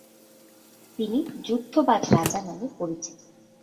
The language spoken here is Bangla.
তিনি ‘যুদ্ধবাজ রাজা’ নামে পরিচিত।